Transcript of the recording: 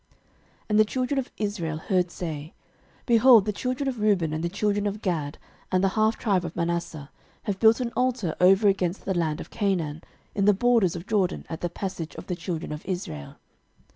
06:022:011 And the children of Israel heard say, Behold, the children of Reuben and the children of Gad and the half tribe of Manasseh have built an altar over against the land of Canaan, in the borders of Jordan, at the passage of the children of Israel.